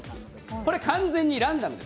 これ完全にランダムです。